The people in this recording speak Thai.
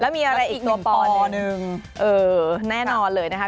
มีอะไรอีกตัวปอหนึ่งเออแน่นอนเลยนะคะ